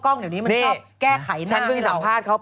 กล้องมันยังชอบแก้ไขหน้าน่ะ